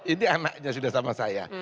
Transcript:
ini anaknya sudah sama saya